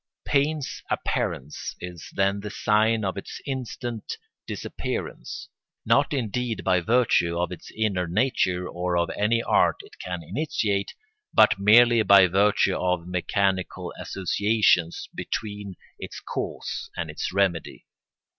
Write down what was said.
Pain's appearance is then the sign for its instant disappearance; not indeed by virtue of its inner nature or of any art it can initiate, but merely by virtue of mechanical associations between its cause and its remedy.